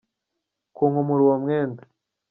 Kunkumura uwo mwenda.